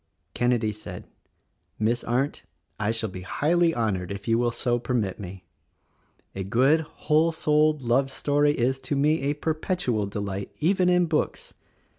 Kenedy said, "Miss Arndt, I shall be highly honored if you will so permit me. A good, whole souled, love story is, to me, a perpetual delight, even in books.